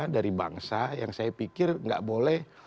dari bangsa yang saya pikir nggak boleh